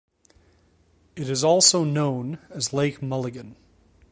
It is also known as Lake Mulligan.